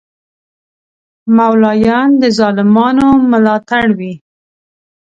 مولایان د ظالمانو ملاتړ وی